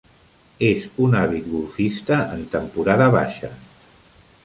Es un àvid golfista en temporada baixa.